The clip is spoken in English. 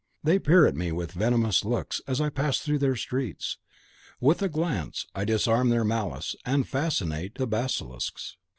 They peer at me with venomous looks, as I pass through their streets. With a glance I disarm their malice, and fascinate the basilisks.